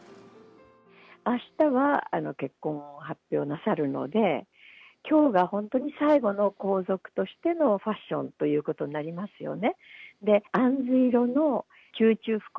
あしたは結婚を発表なさるので、きょうが本当に最後の皇族としてのファッションということになりますよね。